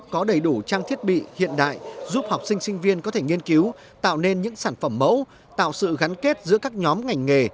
có đầy đủ trang thiết bị hiện đại giúp học sinh sinh viên có thể nghiên cứu tạo nên những sản phẩm mẫu tạo sự gắn kết giữa các nhóm ngành nghề